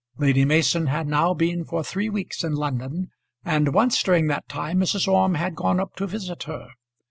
Lady Mason had now been for three weeks in London, and once during that time Mrs. Orme had gone up to visit her.